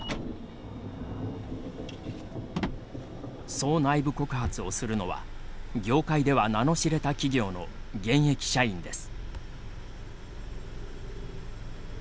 そう内部告発をするのは業界では名の知れた企業の現役社員です。